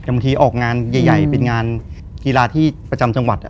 แต่บางทีออกงานใหญ่เป็นงานกีฬาที่ประจำจังหวัด